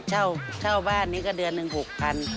เช่าบ้านนี้ก็เดือนละ๖๐๐๐บาท